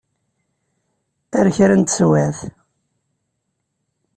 Ar kra n teswiɛt.